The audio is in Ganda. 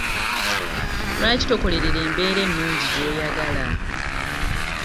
Lwaki tokolerera embeera ennungi gy'oyagala?